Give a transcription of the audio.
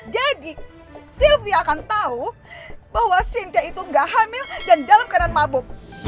jadi sylvia akan tau bahwa sintia itu gak hamil dan dalam keadaan mabuk